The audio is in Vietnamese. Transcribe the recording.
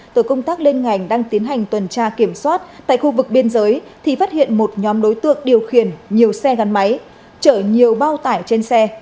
tổ công tác lên ngành đang tiến hành tuần tra kiểm soát tại khu vực biên giới thì phát hiện một nhóm đối tượng điều khiển nhiều xe gắn máy chở nhiều bao tải trên xe